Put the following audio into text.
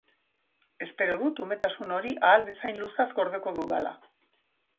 Espero dut umetasun hori ahal bezain luzaz gordeko dudala.